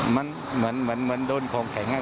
มันโดนคงแข็งครับ